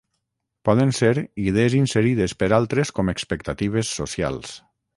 Poden ser idees inserides per altres com expectatives socials